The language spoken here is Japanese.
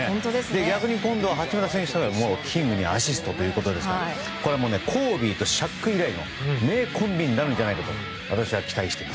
逆に今度は八村選手がキングにアシストということでこれはコービーとシャック以来の名コンビになるんじゃないかと期待しています。